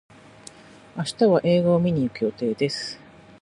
明日は映画を見に行く予定です。